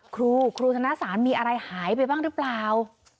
ครูครูธนสารมีอะไรหายไปบ้างหรือเปล่า